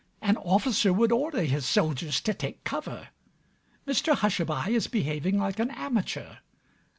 An officer would order his soldiers to take cover. Mr Hushabye is behaving like an amateur.